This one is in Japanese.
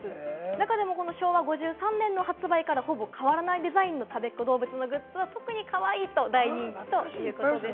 中でも昭和５３年の発売からほぼ変わらないデザインのたべっ子どうぶつのグッズは特にかわいいと大人気ということです。